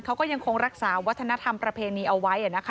เขาก็ยังคงรักษาวัฒนธรรมประเพณีเอาไว้